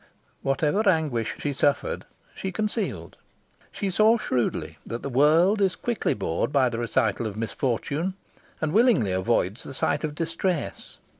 Whatever anguish she suffered she concealed. She saw shrewdly that the world is quickly bored by the recital of misfortune, and willingly avoids the sight of distress.